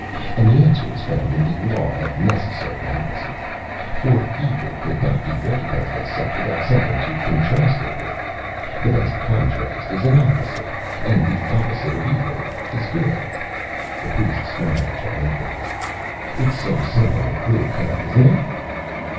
And the answer is found in the Law of Necessary Opposites; for Evil could not be recognized as such without something to contrast it with. The best contrast is an opposite. And the opposite of Evil is Good." The priest smiled triumphantly. "It's so simple and clear cut, isn't it?"